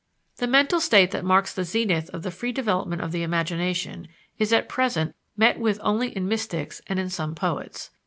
The mental state that marks the zenith of the free development of the imagination, is at present met with only in mystics and in some poets.